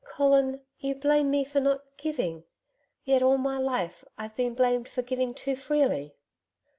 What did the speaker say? Colin, you blame me for not GIVING; yet, all my life, I've been blamed for giving too freely.'